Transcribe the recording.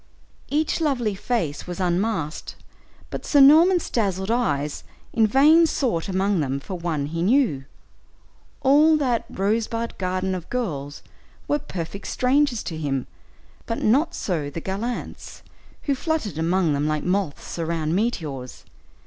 Each lovely face was unmasked, but Sir Norman's dazzled eyes in vain sought among them for one he knew. All that "rosebud garden of girls" were perfect strangers to him, but not so the gallants, who fluttered among them like moths around meteors.